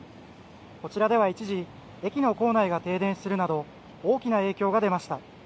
こちらでは一時駅の構内が停電するなど大きな影響が出ました。